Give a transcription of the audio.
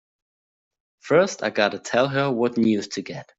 First I gotta tell her what news to get!